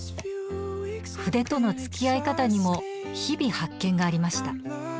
筆とのつきあい方にも日々発見がありました。